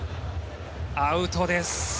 アウトです。